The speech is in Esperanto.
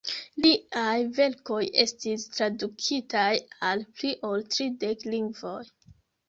Liaj verkoj estis tradukitaj al pli ol tridek lingvoj.